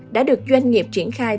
đã được doanh nghiệp triển khai